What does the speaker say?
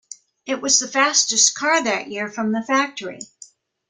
It was the fastest car that year from the factory.